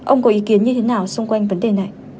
ông có ý kiến như thế nào xung quanh vấn đề này